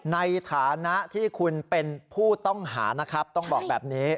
ในฐานะที่คุณเป็นผู้ต้องหานะครับต้องบอกแบบนี้